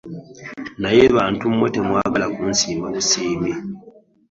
Naye bantu mmwe temwagala kusiima busiimi.